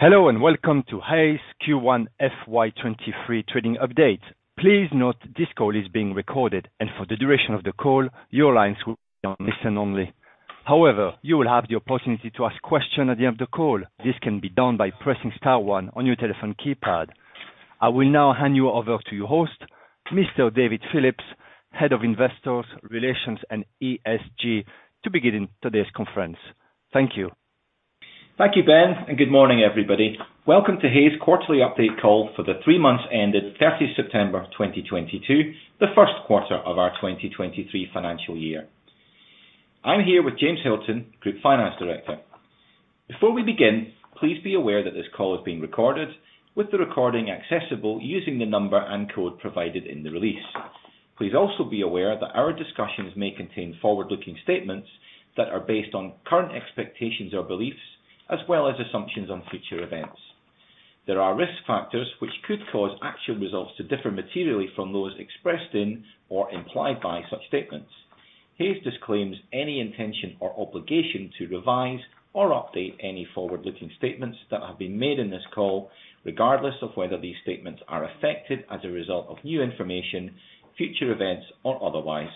Hello, and welcome to Hays' Q1 FY 2023 Trading update. Please note this call is being recorded, and for the duration of the call, your lines will be on listen only. However, you will have the opportunity to ask questions at the end of the call. This can be done by pressing star one on your telephone keypad. I will now hand you over to your host, Mr. David Phillips, Head of Investor Relations & ESG, to begin today's conference. Thank you. Thank you, Ben, and good morning, everybody. Welcome to Hays' quarterly update call for the three months ended 30 September 2022, the first quarter of our 2023 financial year. I'm here with James Hilton, Group Finance Director. Before we begin, please be aware that this call is being recorded, with the recording accessible using the number and code provided in the release. Please also be aware that our discussions may contain forward-looking statements that are based on current expectations or beliefs, as well as assumptions on future events. There are risk factors which could cause actual results to differ materially from those expressed in or implied by such statements. Hays disclaims any intention or obligation to revise or update any forward-looking statements that have been made in this call, regardless of whether these statements are affected as a result of new information, future events, or otherwise.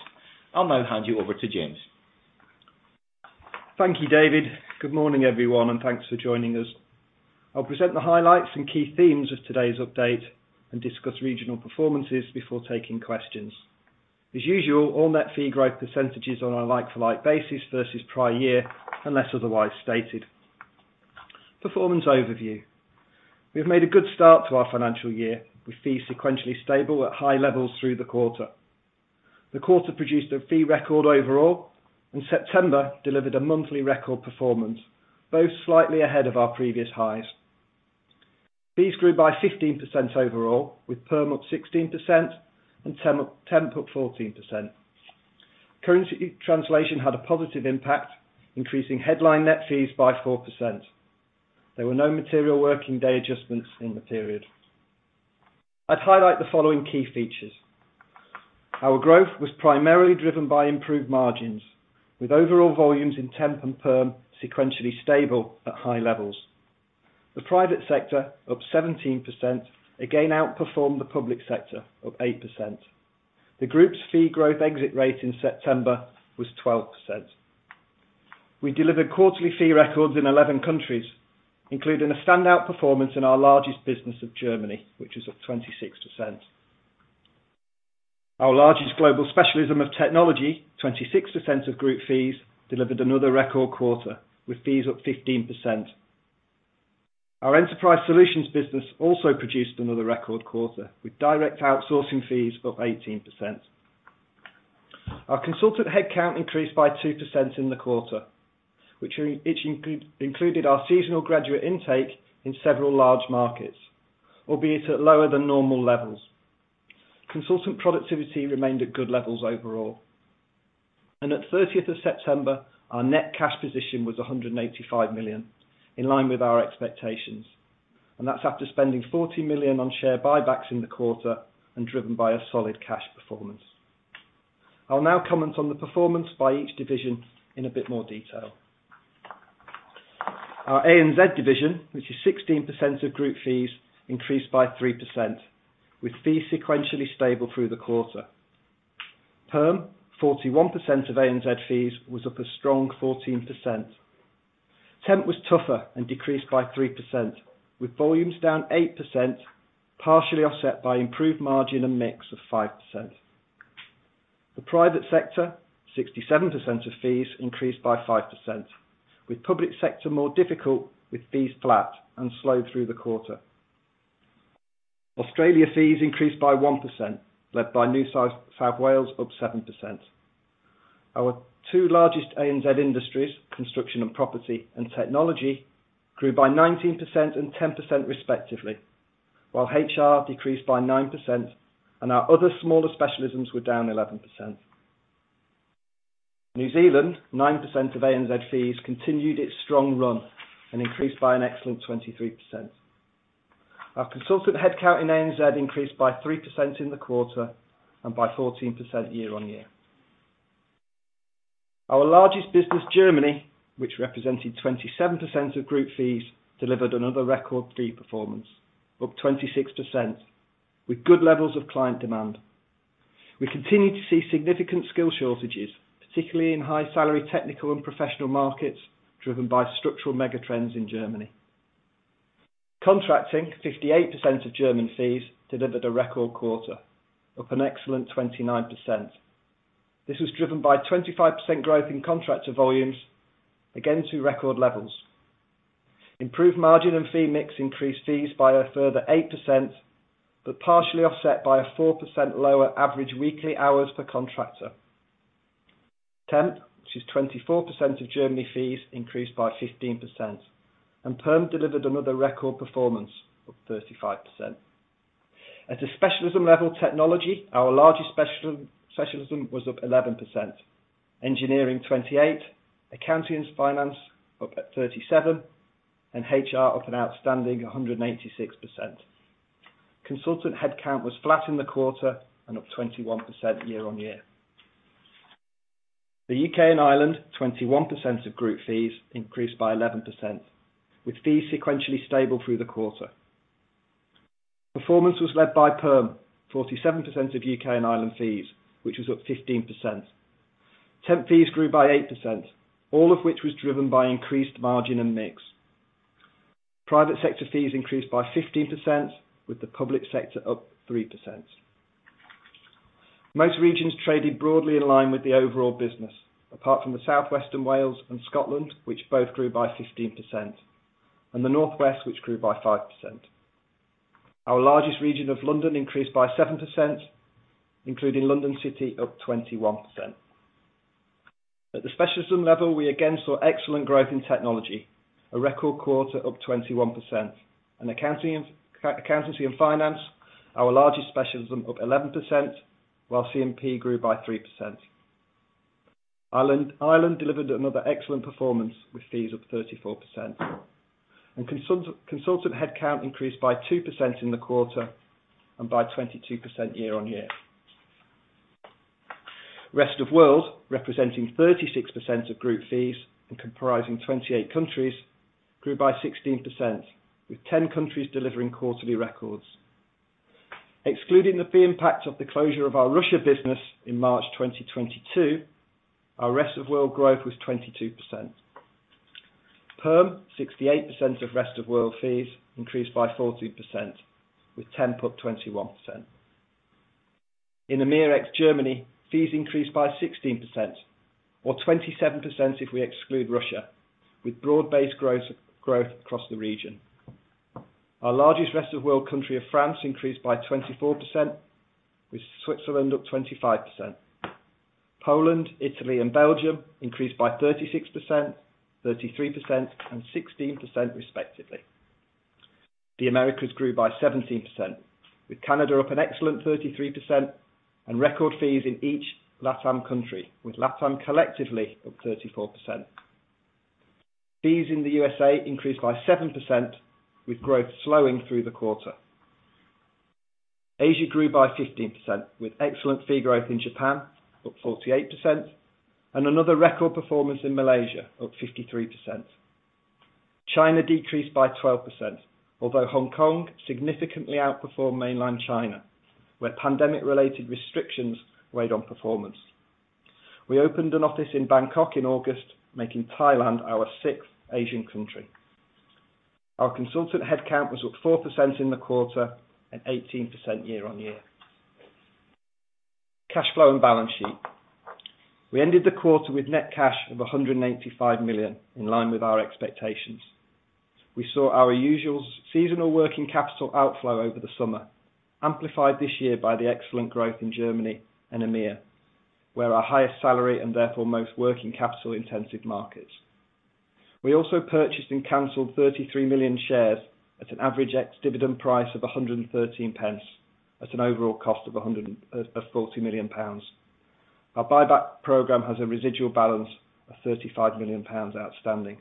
I'll now hand you over to James. Thank you, David. Good morning, everyone, and thanks for joining us. I'll present the highlights and key themes of today's update and discuss regional performances before taking questions. As usual, all net fee growth percentages are on a like-for-like basis versus prior year, unless otherwise stated. Performance overview. We have made a good start to our financial year, with fees sequentially stable at high levels through the quarter. The quarter produced a fee record overall, and September delivered a monthly record performance, both slightly ahead of our previous highs. Fees grew by 15% overall, with perm up 16% and temp up 14%. Currency translation had a positive impact, increasing headline net fees by 4%. There were no material working day adjustments in the period. I'd highlight the following key features. Our growth was primarily driven by improved margins, with overall volumes in temp and perm sequentially stable at high levels. The private sector, up 17%, again outperformed the public sector, up 8%. The group's fee growth exit rate in September was 12%. We delivered quarterly fee records in 11 countries, including a standout performance in our largest business of Germany, which is up 26%. Our largest global specialism of technology, 26% of group fees, delivered another record quarter, with fees up 15%. Our Enterprise Solutions business also produced another record quarter, with direct outsourcing fees up 18%. Our consultant headcount increased by 2% in the quarter, which included our seasonal graduate intake in several large markets, albeit at lower than normal levels. Consultant productivity remained at good levels overall. At 30th of September, our net cash position was 185 million, in line with our expectations. That's after spending 40 million on share buybacks in the quarter and driven by a solid cash performance. I'll now comment on the performance by each division in a bit more detail. Our ANZ division, which is 16% of group fees, increased by 3%, with fees sequentially stable through the quarter. Perm, 41% of ANZ fees, was up a strong 14%. Temp was tougher and decreased by 3%, with volumes down 8%, partially offset by improved margin and mix of 5%. The private sector, 67% of fees, increased by 5%, with public sector more difficult, with fees flat and slow through the quarter. Australia fees increased by 1%, led by New South Wales, up 7%. Our two largest ANZ industries, Construction & Property and technology, grew by 19% and 10% respectively, while HR decreased by 9% and our other smaller specialisms were down 11%. New Zealand, 9% of ANZ fees, continued its strong run and increased by an excellent 23%. Our consultant headcount in ANZ increased by 3% in the quarter and by 14% year-on-year. Our largest business, Germany, which represented 27% of group fees, delivered another record fee performance, up 26%, with good levels of client demand. We continued to see significant skill shortages, particularly in high-salary technical and professional markets, driven by structural mega trends in Germany. Contracting, 58% of German fees, delivered a record quarter, up an excellent 29%. This was driven by 25% growth in contractor volumes, again to record levels. Improved margin and fee mix increased fees by a further 8%, but partially offset by a 4% lower average weekly hours per contractor. Temp, which is 24% of Germany fees, increased by 15%, and perm delivered another record performance of 35%. At the specialism level, technology, our largest specialism, was up 11%, engineering 28%, accounting and finance up at 37%, and HR up an outstanding 186%. Consultant headcount was flat in the quarter and up 21% year-on-year. The U.K. and Ireland, 21% of group fees, increased by 11%, with fees sequentially stable through the quarter. Performance was led by perm, 47% of U.K. and Ireland fees, which was up 15%. Temp fees grew by 8%, all of which was driven by increased margin and mix. Private sector fees increased by 15% with the public sector up 3%. Most regions traded broadly in line with the overall business, apart from the South West and Wales and Scotland, which both grew by 15%, and the Northwest, which grew by 5%. Our largest region of London increased by 7%, including London City, up 21%. At the specialism level, we again saw excellent growth in technology, a record quarter up 21%. Accounting and finance, our largest specialism, up 11%, while C&P grew by 3%. Ireland delivered another excellent performance with fees up 34%. Consultant headcount increased by 2% in the quarter and by 22% year-on-year. Rest of World, representing 36% of group fees and comprising 28 countries, grew by 16%, with 10 countries delivering quarterly records. Excluding the fee impact of the closure of our Russia business in March 2022, our Rest of World growth was 22%. Perm, 68% of Rest of World fees increased by 14%, with temp up 21%. In EMEA ex Germany, fees increased by 16%, or 27% if we exclude Russia, with broad-based growth across the region. Our largest Rest of world country, France, increased by 24%, with Switzerland up 25%. Poland, Italy, and Belgium increased by 36%, 33%, and 16% respectively. The Americas grew by 17%, with Canada up an excellent 33% and record fees in each LATAM country, with LATAM collectively up 34%. Fees in the USA increased by 7% with growth slowing through the quarter. Asia grew by 15% with excellent fee growth in Japan, up 48%, and another record performance in Malaysia, up 53%. China decreased by 12%, although Hong Kong significantly outperformed mainland China, where pandemic-related restrictions weighed on performance. We opened an office in Bangkok in August, making Thailand our sixth Asian country. Our consultant headcount was up 4% in the quarter and 18% year-on-year. Cash flow and balance sheet. We ended the quarter with net cash of 185 million, in line with our expectations. We saw our usual seasonal working capital outflow over the summer, amplified this year by the excellent growth in Germany and EMEA, where our highest salary and therefore most working capital intensive markets. We also purchased and canceled 33 million shares at an average ex-dividend price of 1.13, at an overall cost of 40 million pounds. Our buyback program has a residual balance of 35 million pounds outstanding.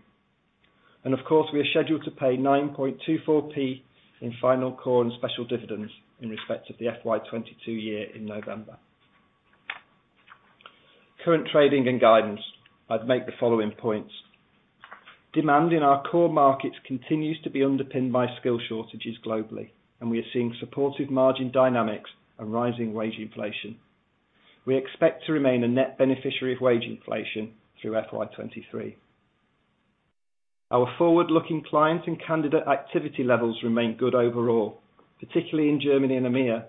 Of course, we are scheduled to pay 0.0924 in final core and special dividends in respect of the FY 2022 year in November. Current trading and guidance. I'd make the following points. Demand in our core markets continues to be underpinned by skill shortages globally, and we are seeing supportive margin dynamics and rising wage inflation. We expect to remain a net beneficiary of wage inflation through FY 2023. Our forward-looking client and candidate activity levels remain good overall, particularly in Germany and EMEA,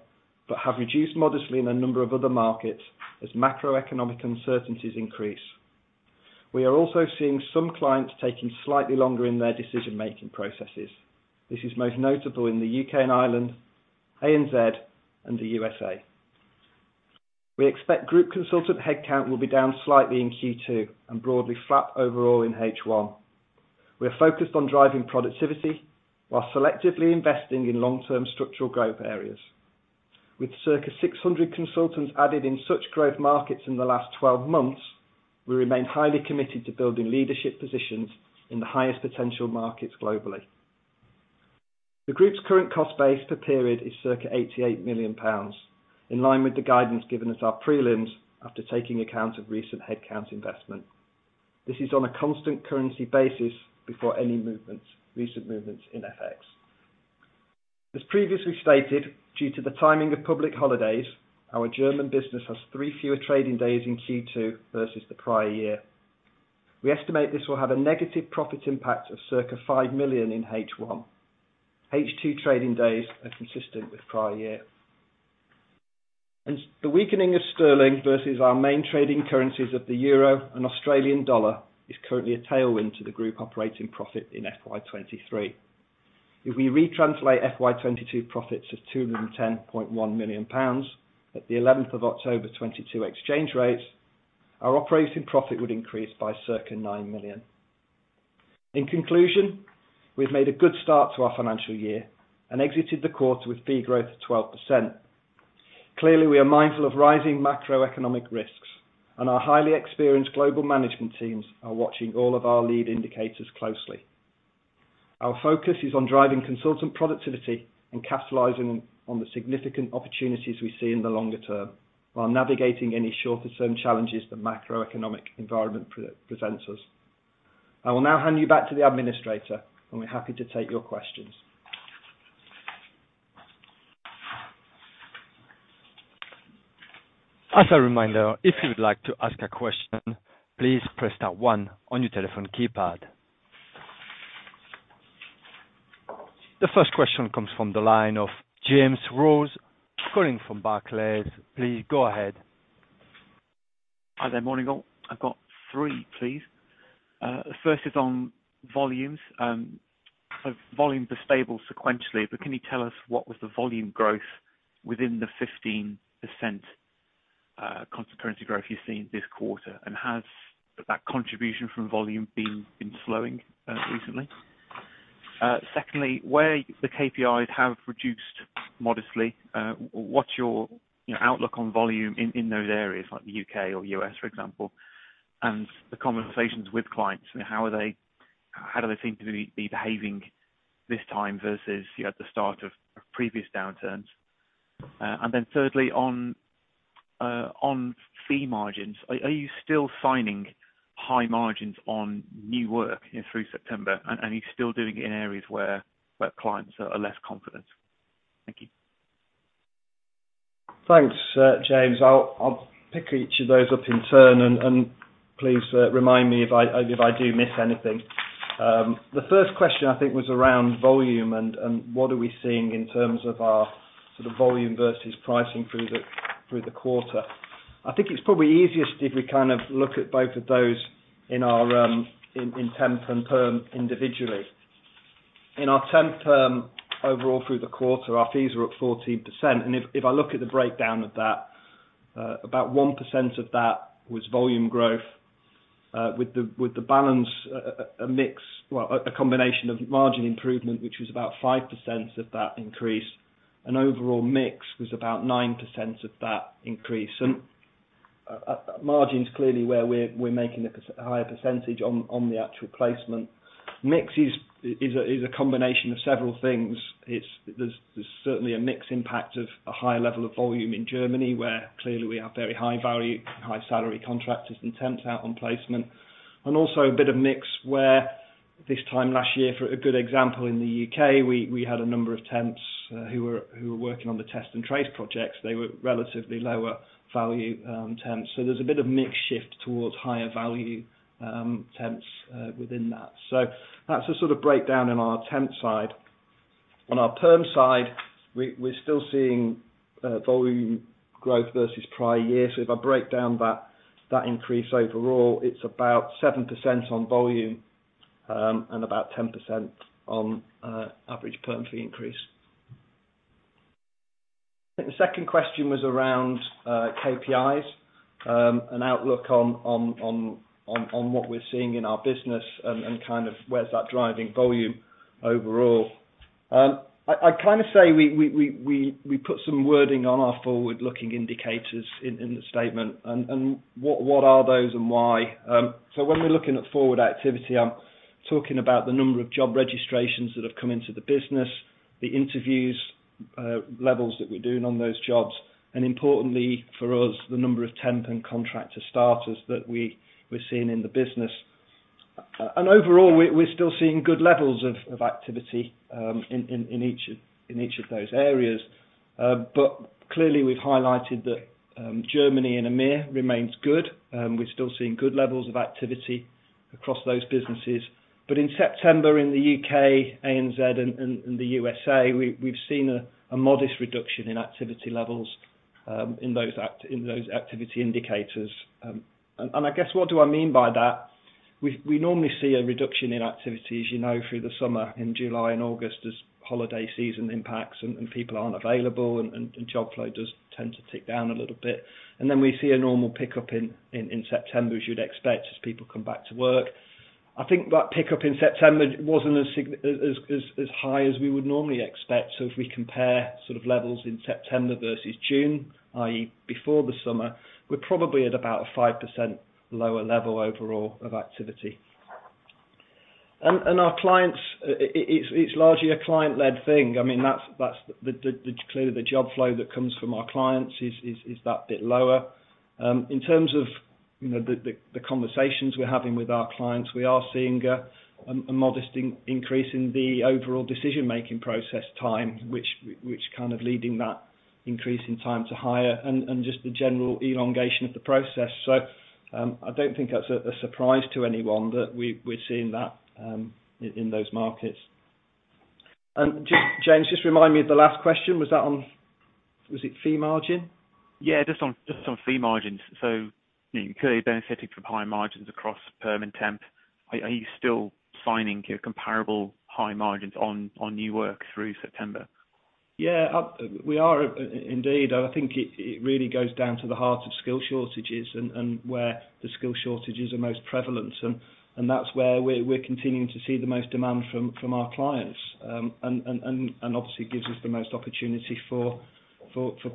but have reduced modestly in a number of other markets as macroeconomic uncertainties increase. We are also seeing some clients taking slightly longer in their decision-making processes. This is most notable in the U.K. and Ireland, ANZ, and the USA. We expect group consultant headcount will be down slightly in Q2, and broadly flat overall in H1. We are focused on driving productivity while selectively investing in long-term structural growth areas. With circa 600 consultants added in such growth markets in the last 12 months, we remain highly committed to building leadership positions in the highest potential markets globally. The group's current cost base per period is circa 88 million pounds, in line with the guidance given at our prelims after taking account of recent headcount investment. This is on a constant currency basis before any movements, recent movements in FX. As previously stated, due to the timing of public holidays, our German business has 3 fewer trading days in Q2 versus the prior year. We estimate this will have a negative profit impact of circa 5 million in H1. H2 trading days are consistent with prior year. The weakening of sterling versus our main trading currencies of the euro and Australian dollar is currently a tailwind to the group operating profit in FY 2023. If we retranslate FY 2022 profits of 210.1 million pounds at the 11th of October 2022 exchange rates, our operating profit would increase by circa 9 million. In conclusion, we've made a good start to our financial year and exited the quarter with fee growth of 12%. Clearly, we are mindful of rising macroeconomic risks, and our highly experienced global management teams are watching all of our lead indicators closely. Our focus is on driving consultant productivity and capitalizing on the significant opportunities we see in the longer term, while navigating any shorter-term challenges the macroeconomic environment pre-presents us. I will now hand you back to the administrator, and we're happy to take your questions. As a reminder, if you would like to ask a question, please press star one on your telephone keypad. The first question comes from the line of James Rose, calling from Barclays. Please go ahead. Hi there. Morning all. I've got three, please. The first is on volumes. Volumes are stable sequentially, but can you tell us what was the volume growth within the 15% constant currency growth you're seeing this quarter? And has that contribution from volume been slowing recently? Secondly, where the KPIs have reduced modestly, what's your outlook on volume in those areas, like the U.K. or U.S., for example, and the conversations with clients and how do they seem to be behaving this time versus, you know, at the start of previous downturns? And then thirdly, on fee margins, are you still signing high margins on new work, you know, through September? And are you still doing it in areas where clients are less confident? Thank you. Thanks, James. I'll pick each of those up in turn, and please remind me if I do miss anything. The first question I think was around volume and what are we seeing in terms of our sort of volume versus pricing through the quarter. I think it's probably easiest if we kind of look at both of those in our temp and perm individually. In our temp and perm overall through the quarter, our fees were up 14%, and if I look at the breakdown of that, about 1% of that was volume growth, with the balance a combination of margin improvement, which was about 5% of that increase. Overall mix was about 9% of that increase. Margin's clearly where we're making a higher percentage on the actual placement. Mix is a combination of several things. There's certainly a mix impact of a higher level of volume in Germany, where clearly we have very high value, high salary contractors and temps out on placement. Also a bit of mix where this time last year, for example in the U.K., we had a number of temps who were working on the Test and Trace projects. They were relatively lower value temps. That's a sort of breakdown in our temp side. On our perm side, we're still seeing volume growth versus prior year. If I break down that increase overall, it's about 7% on volume, and about 10% on average perm fee increase. I think the second question was around KPIs, and outlook on what we're seeing in our business and kind of where's that driving volume overall. I kind of say we put some wording on our forward-looking indicators in the statement, and what are those and why. When we're looking at forward activity, I'm talking about the number of job registrations that have come into the business, the interviews levels that we're doing on those jobs, and importantly for us, the number of temp and contractor starters that we're seeing in the business. Overall we're still seeing good levels of activity in each of those areas. Clearly we've highlighted that Germany and EMEA remains good. We're still seeing good levels of activity across those businesses. In September, in the U.K., ANZ and the USA, we've seen a modest reduction in activity levels in those activity indicators. I guess what do I mean by that? We normally see a reduction in activity, as you know, through the summer in July and August as holiday season impacts and people aren't available and job flow does tend to tick down a little bit. Then we see a normal pickup in September, as you'd expect, as people come back to work. I think that pickup in September wasn't as high as we would normally expect. If we compare sort of levels in September versus June, i.e., before the summer, we're probably at about a 5% lower level overall of activity. Our clients, it's largely a client-led thing. I mean, that's. Clearly the job flow that comes from our clients is a bit lower. In terms of, you know, the conversations we're having with our clients, we are seeing a modest increase in the overall decision-making process time, which kind of leading that increase in time to hire and just the general elongation of the process. I don't think that's a surprise to anyone that we're seeing that in those markets. James, just remind me of the last question. Was that on? Was it fee margin? Yeah, just on fee margins. You know, clearly benefiting from high margins across perm and temp. Are you still signing comparable high margins on new work through September? Yeah. We are indeed. I think it really goes down to the heart of skill shortages and where the skill shortages are most prevalent. That's where we're continuing to see the most demand from our clients. Obviously gives us the most opportunity for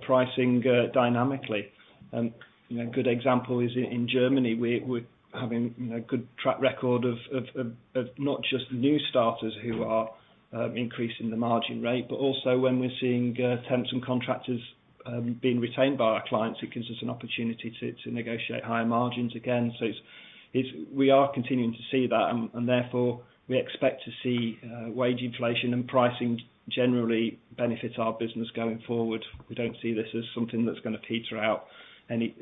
pricing dynamically. You know, a good example is in Germany. We're having you know, good track record of not just new starters who are increasing the margin rate, but also when we're seeing temps and contractors being retained by our clients, it gives us an opportunity to negotiate higher margins again. It's. We are continuing to see that and therefore we expect to see wage inflation and pricing generally benefit our business going forward. We don't see this as something that's gonna peter out any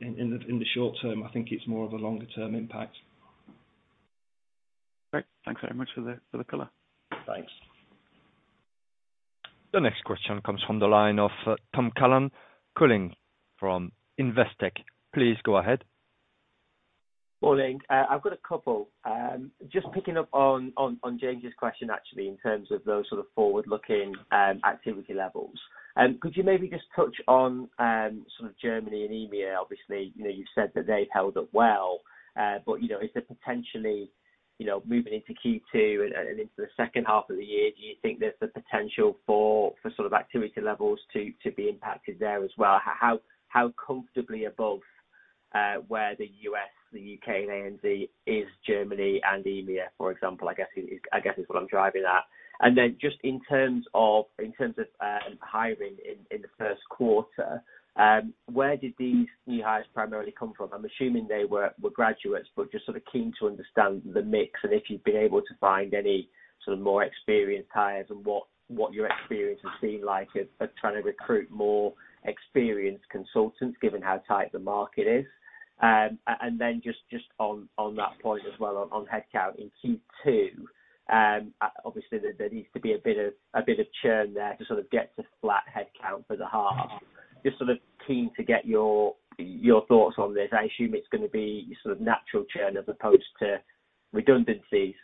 in the short term. I think it's more of a longer term impact. Great. Thanks very much for the color. Thanks. The next question comes from the line of Tom Callan calling from Investec. Please go ahead. Morning. I've got a couple. Just picking up on James' question actually in terms of those sort of forward-looking activity levels. Could you maybe just touch on sort of Germany and EMEA? Obviously, you know, you've said that they've held up well, but you know, is there potentially, you know, moving into Q2 and into the second half of the year, do you think there's the potential for sort of activity levels to be impacted there as well? How comfortably above where the U.S., the U.K., and ANZ is Germany and EMEA, for example, I guess is what I'm driving at. Then just in terms of hiring in the first quarter, where did these new hires primarily come from? I'm assuming they were graduates, but just sort of keen to understand the mix and if you've been able to find any sort of more experienced hires and what your experience has been like at trying to recruit more experienced consultants given how tight the market is. And then just on that point as well, on headcount in Q2, obviously there needs to be a bit of churn there to sort of get to flat headcount for the half. Just sort of keen to get your thoughts on this. I assume it's gonna be sort of natural churn as opposed to redundancies.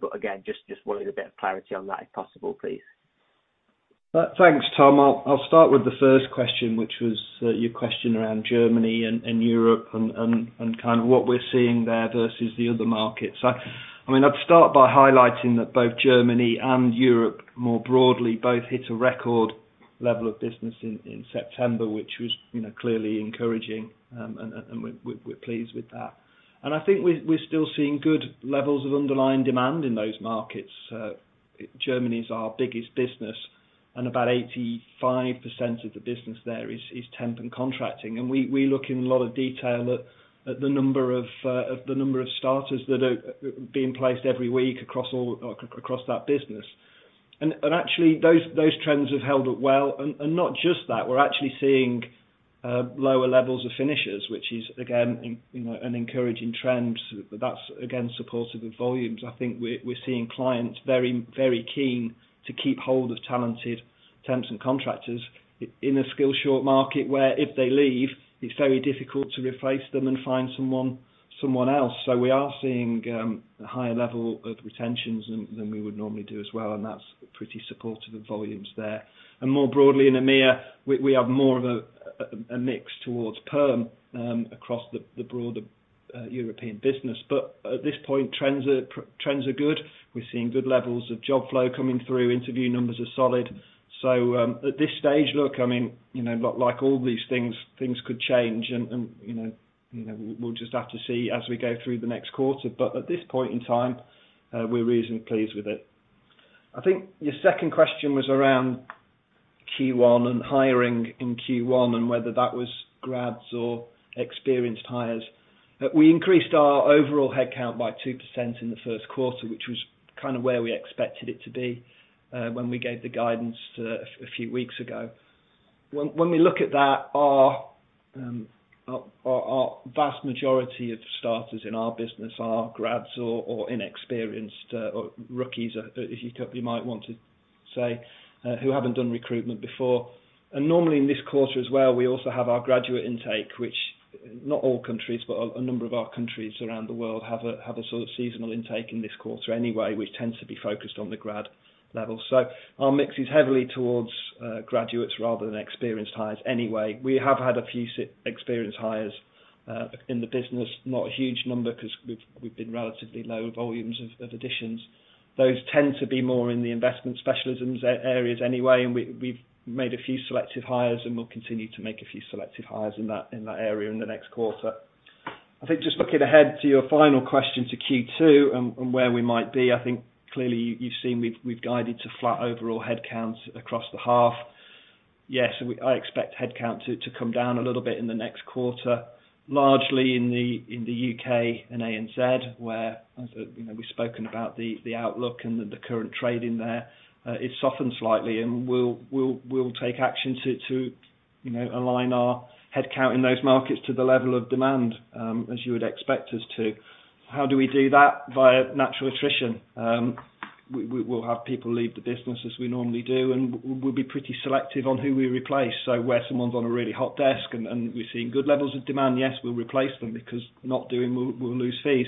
But again, just wanted a bit of clarity on that if possible, please. Thanks, Tom. I'll start with the first question, which was your question around Germany and Europe and kind of what we're seeing there versus the other markets. I mean, I'd start by highlighting that both Germany and Europe more broadly both hit a record level of business in September, which was, you know, clearly encouraging, and we're pleased with that. I think we're still seeing good levels of underlying demand in those markets. Germany is our biggest business, and about 85% of the business there is temp and contracting. We look in a lot of detail at the number of starters that are being placed every week across that business. Actually those trends have held up well. Not just that, we're actually seeing lower levels of finishes, which is again you know, an encouraging trend. That's again supportive of volumes. I think we're seeing clients very keen to keep hold of talented temps and contractors in a skills-short market where if they leave, it's very difficult to replace them and find someone else. We are seeing a higher level of retentions than we would normally do as well, and that's pretty supportive of volumes there. More broadly in EMEA, we have more of a mix towards perm across the broader European business. But at this point, trends are good. We're seeing good levels of job flow coming through. Interview numbers are solid. At this stage, look, I mean, you know, like all these things could change and, you know, we'll just have to see as we go through the next quarter. At this point in time, we're reasonably pleased with it. I think your second question was around Q1 and hiring in Q1 and whether that was grads or experienced hires. We increased our overall headcount by 2% in the first quarter, which was kind of where we expected it to be, when we gave the guidance a few weeks ago. When we look at that, our vast majority of starters in our business are grads or inexperienced or rookies as you might want to say, who haven't done recruitment before. Normally in this quarter as well, we also have our graduate intake, which not all countries, but a number of our countries around the world have a sort of seasonal intake in this quarter anyway, which tends to be focused on the grad level. Our mix is heavily towards graduates rather than experienced hires anyway. We have had a few experienced hires in the business. Not a huge number because we've been relatively low volumes of additions. Those tend to be more in the investment specialisms areas anyway, and we've made a few selective hires, and we'll continue to make a few selective hires in that area in the next quarter. I think just looking ahead to your final question to Q2 and where we might be, I think clearly you've seen we've guided to flat overall headcounts across the half. Yes, I expect headcount to come down a little bit in the next quarter, largely in the U.K. and ANZ, where, as you know, we've spoken about the outlook and the current trade in there. It's softened slightly and we'll take action to, you know, align our headcount in those markets to the level of demand, as you would expect us to. How do we do that? Via natural attrition. We, we'll have people leave the business as we normally do, and we'll be pretty selective on who we replace. Where someone's on a really hot desk and we're seeing good levels of demand, yes, we'll replace them because not doing we'll lose fees.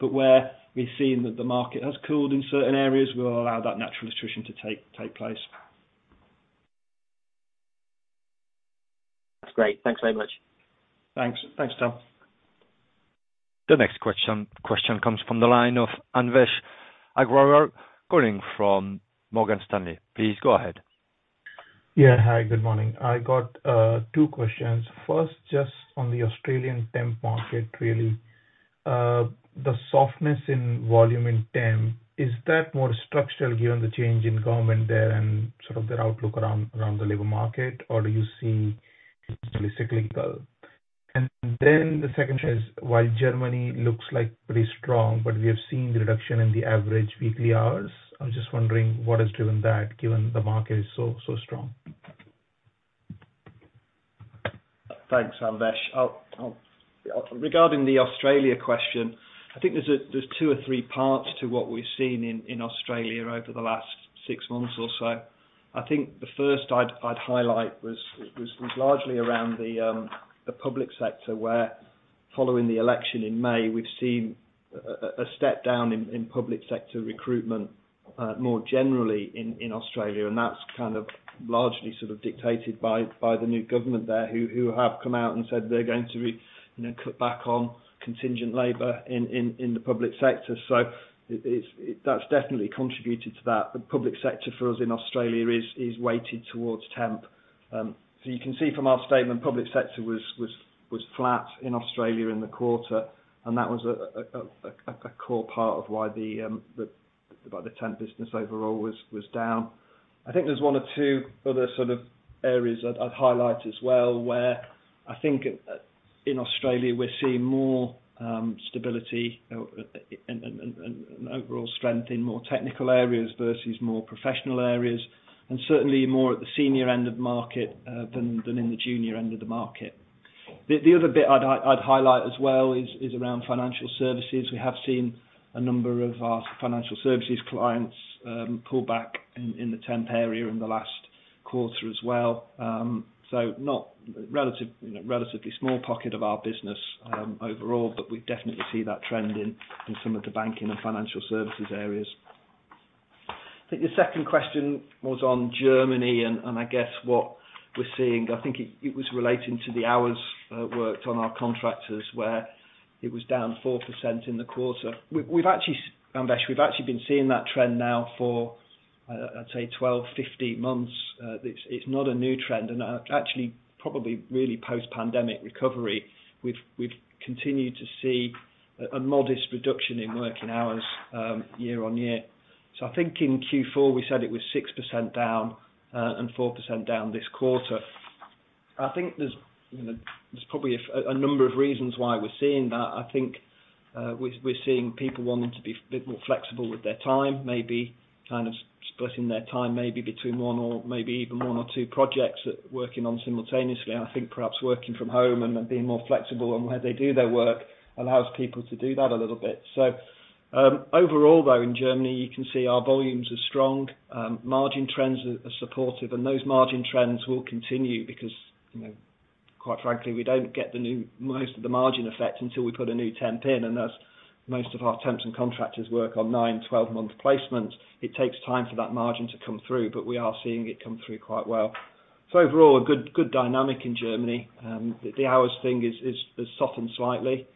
Where we've seen that the market has cooled in certain areas, we'll allow that natural attrition to take place. That's great. Thanks very much. Thanks. Thanks, Tom. The next question comes from the line of Anvesh Agrawal, calling from Morgan Stanley. Please go ahead. Yeah. Hi, good morning. I got two questions. First, just on the Australian temp market really. The softness in volume in temp, is that more structural given the change in government there and sort of their outlook around the labor market? Or do you see it's really cyclical? Then the second is, while Germany looks like pretty strong, but we have seen the reduction in the average weekly hours. I was just wondering what has driven that, given the market is so strong. Thanks, Anvesh. Regarding the Australia question, I think there's two or three parts to what we've seen in Australia over the last six months or so. I think the first I'd highlight was largely around the public sector, where following the election in May, we've seen a step down in public sector recruitment more generally in Australia. That's kind of largely sort of dictated by the new government there who have come out and said they're going to be, you know, cut back on contingent labor in the public sector. So it's definitely contributed to that. The public sector for us in Australia is weighted towards temp. You can see from our statement, public sector was flat in Australia in the quarter, and that was a core part of why the temp business overall was down. I think there's one or two other sort of areas I'd highlight as well, where in Australia, we're seeing more stability and overall strength in more technical areas versus more professional areas, and certainly more at the senior end of the market than in the junior end of the market. The other bit I'd highlight as well is around financial services. We have seen a number of our financial services clients pull back in the temp area in the last quarter as well. In a relatively small pocket of our business, overall, but we definitely see that trend in some of the banking and financial services areas. I think your second question was on Germany and I guess what we're seeing. I think it was relating to the hours worked on our contractors, where it was down 4% in the quarter. Anvesh, we've actually been seeing that trend now for, I'd say 12, 15 months. It's not a new trend. Actually, probably really post-pandemic recovery, we've continued to see a modest reduction in working hours, year-on-year. I think in Q4, we said it was 6% down, and 4% down this quarter. I think there's, you know, probably a number of reasons why we're seeing that. I think we're seeing people wanting to be a bit more flexible with their time, maybe kind of splitting their time, maybe between one or maybe even one or two projects that working on simultaneously. I think perhaps working from home and being more flexible on where they do their work allows people to do that a little bit. Overall, though, in Germany, you can see our volumes are strong. Margin trends are supportive, and those margin trends will continue because, you know, quite frankly, we don't get most of the margin effect until we put a new temp in. As most of our temps and contractors work on 9, 12-month placements, it takes time for that margin to come through, but we are seeing it come through quite well. Overall, a good dynamic in Germany. The hours thing has softened slightly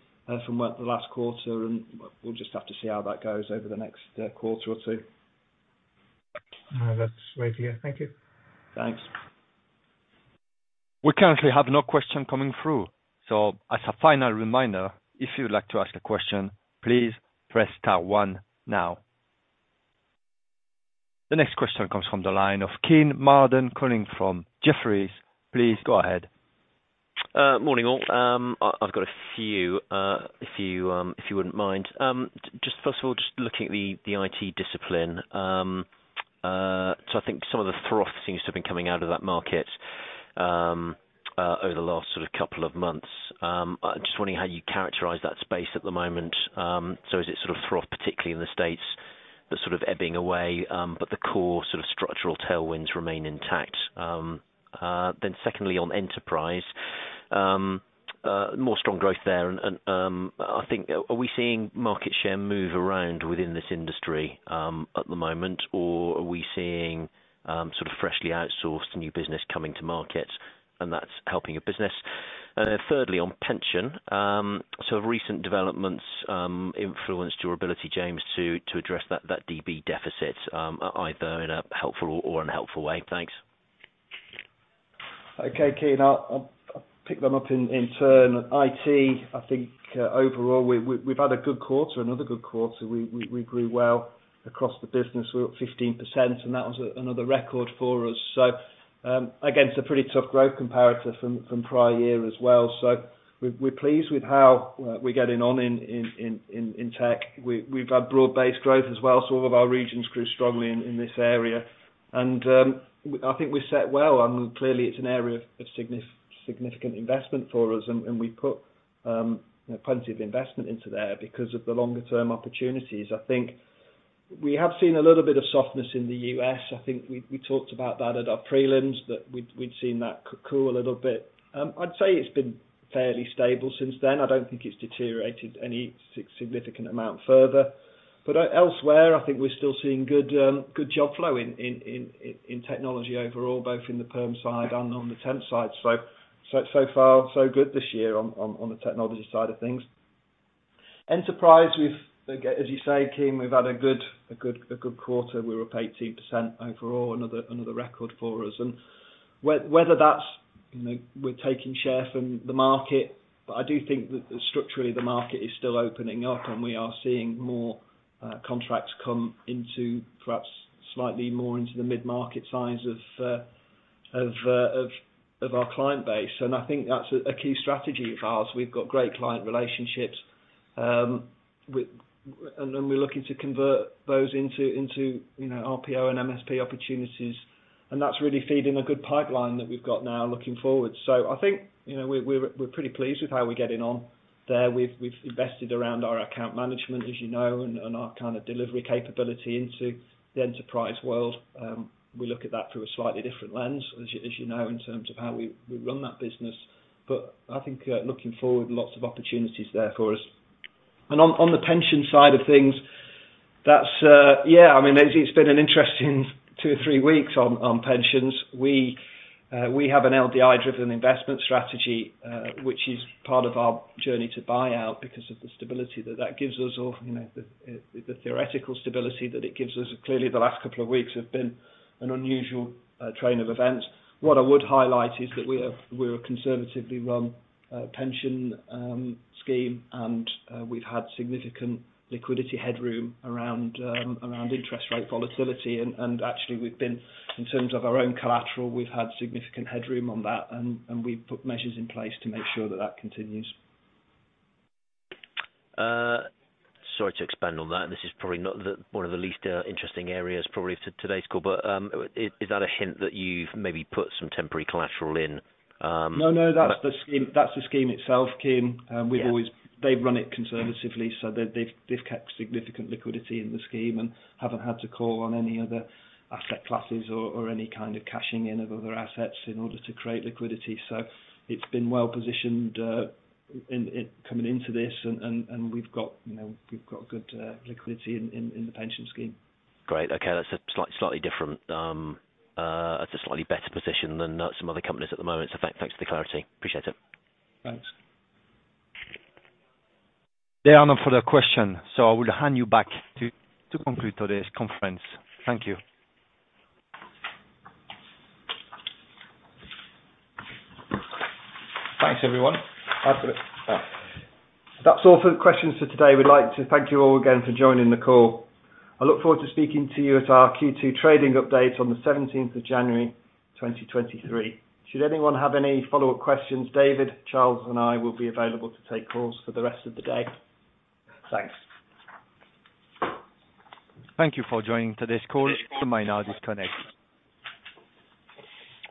from the last quarter, and we'll just have to see how that goes over the next quarter or two. All right. That's great to hear. Thank you. Thanks. We currently have no question coming through. As a final reminder, if you would like to ask a question, please press star one now. The next question comes from the line of Kean Marden calling from Jefferies. Please go ahead. Morning, all. If you wouldn't mind. Just first of all, just looking at the IT discipline. I think some of the froth seems to have been coming out of that market over the last sort of couple of months. Just wondering how you characterize that space at the moment. Is it sort of froth, particularly in the States, that's sort of ebbing away, but the core sort of structural tailwinds remain intact? Secondly, on enterprise, more strong growth there and I think are we seeing market share move around within this industry at the moment? Or are we seeing sort of freshly outsourced new business coming to market and that's helping your business? Thirdly, on pension, so have recent developments influenced your ability, James, to address that DB deficit, either in a helpful or unhelpful way? Thanks. Okay, Kean. I'll pick them up in turn. IT. I think overall, we've had a good quarter, another good quarter. We grew well across the business. We're up 15%, and that was another record for us. Again, it's a pretty tough growth comparator from prior year as well. We're pleased with how we're getting on in tech. We've had broad-based growth as well. All of our regions grew strongly in this area. I think we're set well. I mean, clearly, it's an area of significant investment for us, and we put you know, plenty of investment into there because of the longer term opportunities. I think we have seen a little bit of softness in the U.S. I think we talked about that at our prelims, that we'd seen that cool a little bit. I'd say it's been fairly stable since then. I don't think it's deteriorated any significant amount further. Elsewhere, I think we're still seeing good job flow in technology overall, both in the perm side and on the temp side. So far, so good this year on the technology side of things. Enterprise, as you say, Kim, we've had a good quarter. We're up 18% overall, another record for us. Whether that's, you know, we're taking share from the market, but I do think that structurally the market is still opening up, and we are seeing more contracts come into perhaps slightly more into the mid-market size of our client base. I think that's a key strategy of ours. We've got great client relationships. Then we're looking to convert those into, you know, RPO and MSP opportunities, and that's really feeding a good pipeline that we've got now looking forward. I think, you know, we're pretty pleased with how we're getting on there. We've invested around our account management, as you know, and our kind of delivery capability into the enterprise world. We look at that through a slightly different lens, as you know, in terms of how we run that business. I think, looking forward, lots of opportunities there for us. On the pension side of things, that's, I mean, it's been an interesting 2-3 weeks on pensions. We have an LDI-driven investment strategy, which is part of our journey to buyout because of the stability that that gives us or, you know, the theoretical stability that it gives us. Clearly, the last couple of weeks have been an unusual train of events. What I would highlight is that we're a conservatively run pension scheme, and we've had significant liquidity headroom around interest rate volatility. Actually, we've been in terms of our own collateral, we've had significant headroom on that, and we've put measures in place to make sure that continues. Sorry to expand on that. This is probably not one of the least interesting areas probably for today's call, but is that a hint that you've maybe put some temporary collateral in? No, that's the scheme itself, Kim. Yeah. They've run it conservatively, so they've kept significant liquidity in the scheme and haven't had to call on any other asset classes or any kind of cashing in of other assets in order to create liquidity. It's been well positioned in coming into this, and we've got, you know, we've got good liquidity in the pension scheme. Great. Okay. That's a slightly better position than some other companies at the moment. Thanks for the clarity. Appreciate it. Thanks. There are no further question, so I will hand you back to conclude today's conference. Thank you. Thanks, everyone. That's all for the questions for today. We'd like to thank you all again for joining the call. I look forward to speaking to you at our Q2 trading update on the 17th of January, 2023. Should anyone have any follow-up questions, David, Charles and I will be available to take calls for the rest of the day. Thanks. Thank you for joining today's call. You may now disconnect.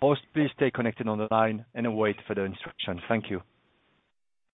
Host, please stay connected on the line and await further instruction. Thank you.